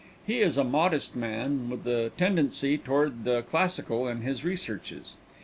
He is a modest man, with a tendency toward the classical in his researches.